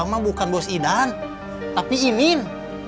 bikin narkoba mah bukan bos idan tapi inin